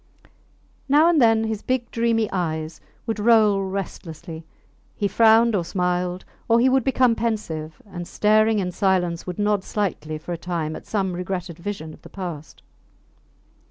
Now and then his big dreamy eyes would roll restlessly; he frowned or smiled, or he would become pensive, and, staring in silence, would nod slightly for a time at some regretted vision of the past.